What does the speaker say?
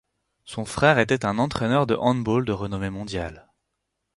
Son frère était un entraîneur de handball de renommée mondiale.